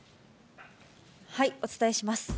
お伝えします。